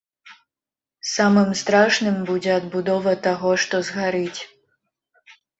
Самым страшным будзе адбудова таго, што згарыць.